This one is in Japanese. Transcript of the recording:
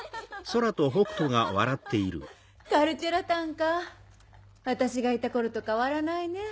カルチェラタンか私がいた頃と変わらないね。